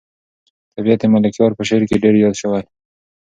طبیعت د ملکیار په شعر کې ډېر یاد شوی.